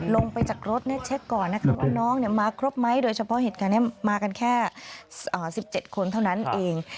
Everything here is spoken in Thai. ลงไปจากรถเช็คก่อนนะคะว่าน้องมาครบไหมโดยเฉพาะเหตุการณ์นี้มากันแค่๑๗คนเท่านั้นเอง